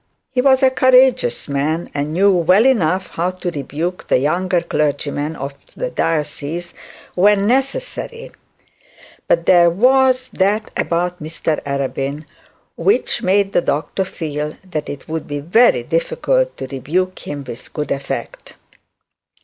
He was a courageous man, and knew well enough how to rebuke the younger clergymen of the diocese when necessary. But there was that about Mr Arabin which made the doctor feel that it would be very difficult to rebuke him with good effect.